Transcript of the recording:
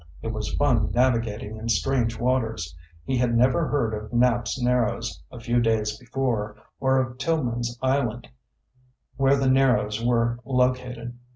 It was fun navigating in strange waters. He had never heard of Knapps Narrows a few days before, or of Tilghman Island, where the Narrows were located.